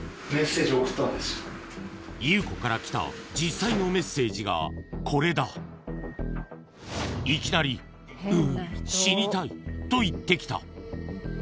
Ｕ子から来た実際のメッセージがこれだいきなりと言ってきた